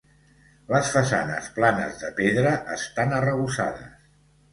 Les façanes planes de pedra estan arrebossades.